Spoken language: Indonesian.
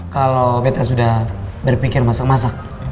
kalau kita sudah berpikir masak masak